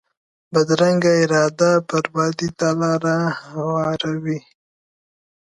بدرنګه اراده بربادي ته لار هواروي